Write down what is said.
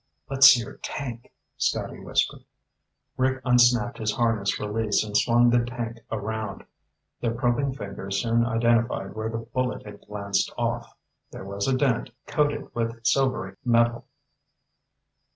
"Let's see your tank," Scotty whispered. Rick unsnapped his harness release and swung the tank around. Their probing fingers soon identified where the bullet had glanced off. There was a dent, coated with silvery metal.